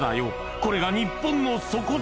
これが日本の底力